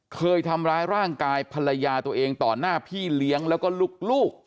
เคยทำร้ายร่างกายภรรยาตัวเองต่อหน้าพี่เลี้ยงแล้วก็ลูก